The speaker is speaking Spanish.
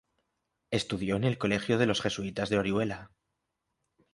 Estudió en el Colegio de los Jesuitas de Orihuela.